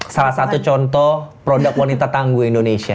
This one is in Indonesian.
salah satu contoh produk wanita tangguh indonesia